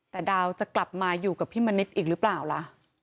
แต่ดาวจะกลับมาอยู่กับพี่มณิษฐ์อีกหรือเปล่าล่ะ